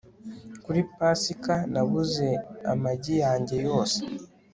kuri pasika nabuze amagi yanjye yose